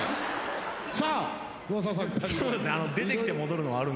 さあ上沢さん。